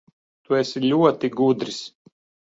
Tu esi ļoti gudrs.